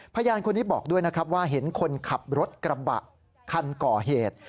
พยานคนนี้บอกด้วยนะครับว่าเห็นคนขับรถกระบะคันก่อเหตุ